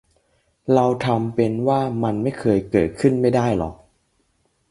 เราทำเป็นว่ามันไม่เคยเกิดขึ้นไม่ได้หรอก